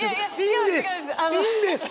いいんです！